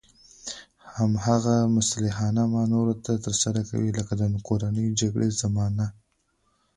هماغه مسلحانه مانورونه ترسره کوي لکه د کورنۍ جګړې زمانه.